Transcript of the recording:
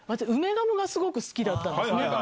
梅ガムがすごく好きだったんですね。